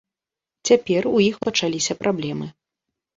Цяпер у іх пачаліся праблемы.